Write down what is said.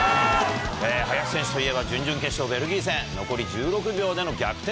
林選手といえば準々決勝ベルギー戦残り１６秒での逆転